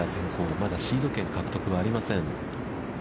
まだシード権獲得はありません。